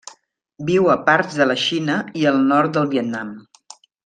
Viu a parts de la Xina i el nord del Vietnam.